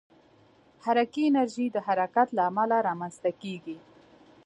حرکي انرژي د حرکت له امله رامنځته کېږي.